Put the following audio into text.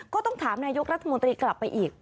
ก็ต้องถามนายกรัฐมนตรีกลับไปอีก